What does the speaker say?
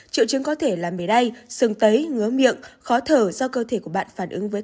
triệu chứng có thể là mề đay xương tấy ngứa miệng khó thở do cơ thể của bạn phản ứng với